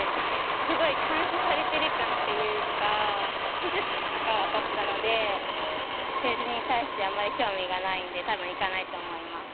すごい監視されてる感っていうか、政治に対してあんまり興味がないんで、たぶん行かないと思います。